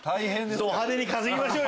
ど派手に稼ぎましょう！